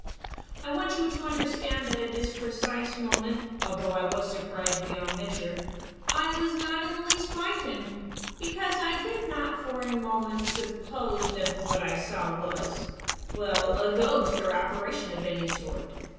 "I want you to understand that at this precise moment, although I was surprised beyond measure, I was not in the least frightened, because I did not for a moment suppose that what I saw was well, a ghost or apparition of any sort.